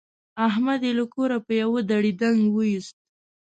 احمد يې له کوره په يوه دړدنګ ویوست.